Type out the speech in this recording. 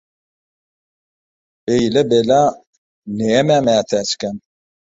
Beýle bela nämä mätäçkäm?